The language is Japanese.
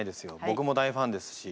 ぼくも大ファンですし。